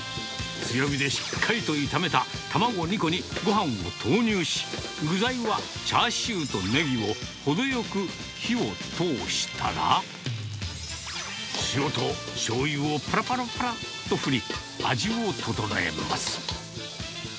強火でしっかりと炒めた卵２個に、ごはんを投入し、具材はチャーシューとねぎを程よく火を通したら、塩としょうゆをぱらぱらぱらっと振り、味を調えます。